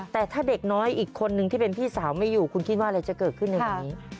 แต่ถ้าเด็กน้อยอีกคนนึงที่เป็นพี่สาวไม่อยู่คุณคิดว่าอะไรจะเกิดขึ้นในวันนี้